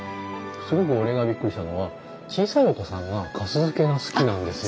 すごく俺がびっくりしたのは小さいお子さんがかす漬けが好きなんですよ。